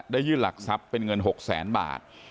ได้ยื่นหลักทรัพย์เป็นเงิน๖๐๐๐๐๐บาท